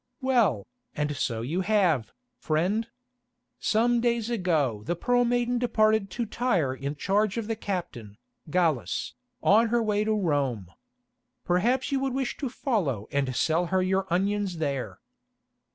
"Well, and so you have, friend. Some days ago the Pearl Maiden departed to Tyre in charge of the captain, Gallus, on her way to Rome. Perhaps you would wish to follow and sell her your onions there."